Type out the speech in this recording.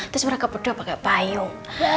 terus mereka berdua pakai payung